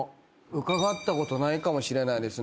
伺ったことないかもしれないです